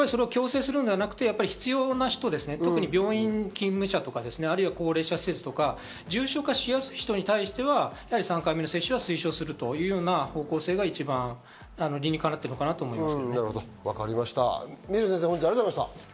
それを強制するのではなくて必要な人ですね、特に病院勤務者とか高齢者施設とか重症化しやすい人に対しては３回目の接種は推奨するというような方向性が一番理にかなっているとは思います。